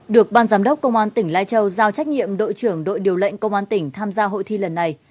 được ban giám đốc công an tỉnh lai châu giao trách nhiệm đội trưởng đội điều lệnh công an tỉnh tham gia hội thi lần này